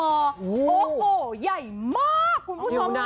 โอ้โหใหญ่มากคุณผู้ชมค่ะ